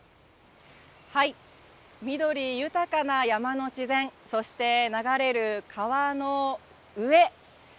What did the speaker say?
緑豊かな山の自然、そして流れる川の上。